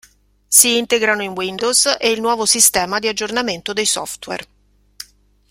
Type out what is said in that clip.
Si integrano in Windows e il nuovo sistema di aggiornamento dei software.